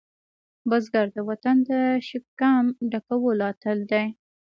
بزګر د وطن د شکم ډکولو اتل دی